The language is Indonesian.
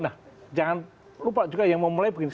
nah jangan lupa juga yang mau mulai begini